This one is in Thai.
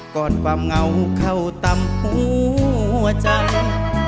ก่อนความเงาเข้าตำหัวใจ